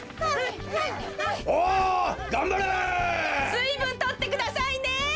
すいぶんとってくださいね！